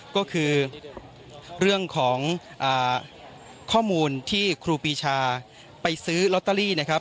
ก็คือเรื่องของข้อมูลที่ครูปีชาไปซื้อลอตเตอรี่นะครับ